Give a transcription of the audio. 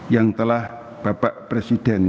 yang telah bapak presiden